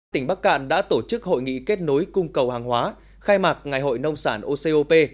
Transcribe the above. tỉnh bắc cạn đã tổ chức hội nghị kết nối cung cầu hàng hóa khai mạc ngày hội nông sản ocop